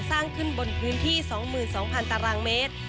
สร้างขึ้นบนพื้นที่๒๒๐๐ตารางเมตร